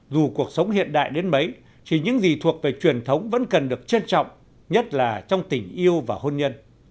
dù cuộc sống hiện đại đến mấy chỉ những gì thuộc về truyền thống vẫn cần được trân trọng nhất là trong tình yêu và hôn nhân